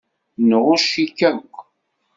Nɣucc-ik akk.